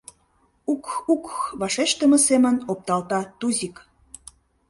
— Угх-угх... — вашештыме семын опталта Тузик.